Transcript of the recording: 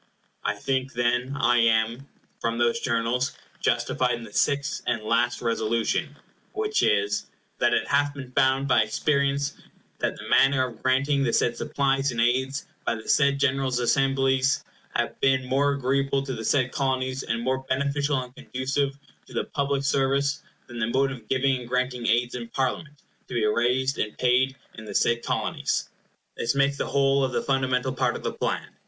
I think, then, I am, from those Journals, justified in the sixth and last Resolution, which is— "That it hath been found by experience that the manner of granting the said supplies and aids, by the said General Assemblies, hath been more agreeable to the said Colonies, and more beneficial and conducive to the public service, than the mode of giving and granting aids in Parliament, to be raised and paid in the said Colonies." This makes the whole of the fundamental part of the plan.